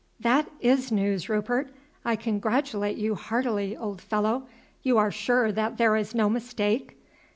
"That is news, Rupert. I congratulate you heartily, old fellow. You are sure that there is no mistake?"